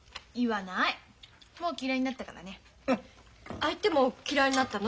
相手も嫌いになったの？